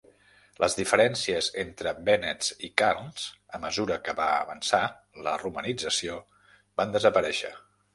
Les diferències entre vènets i carns, a mesura que va avançar la romanització, van desaparèixer.